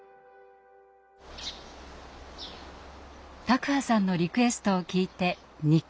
卓巴さんのリクエストを聞いて２か月。